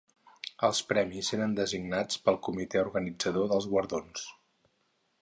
Els premis eren designats pel Comitè Organitzador dels guardons.